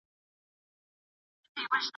ایا ته د پښتو ژبې تاریخي اثار لولې؟